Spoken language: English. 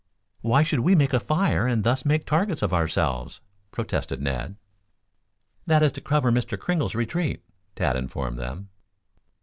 "Why should we make a fire and thus make targets of ourselves?" protested Ned. "That is to cover Mr. Kringle's retreat," Tad informed them.